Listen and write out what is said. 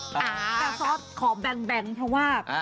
แต่ซอสขอแบงค์เพราะว่า